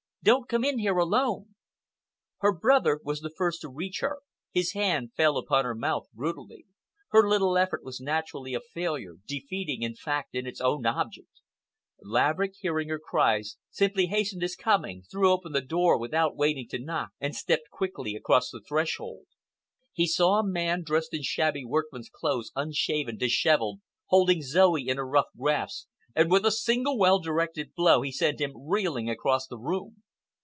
Don't come in here alone!" Her brother was the first to reach her, his hand fell upon her mouth brutally. Her little effort was naturally a failure—defeating, in fact, its own object. Laverick, hearing her cries, simply hastened his coming, threw open the door without waiting to knock, and stepped quickly across the threshold. He saw a man dressed in shabby workman's clothes, unshaven, dishevelled, holding Zoe in a rough grasp, and with a single well directed blow he sent him reeling across the room.